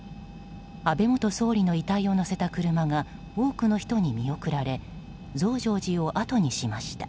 安倍元総理の遺体を乗せた車が多くの人に見送られ増上寺をあとにしました。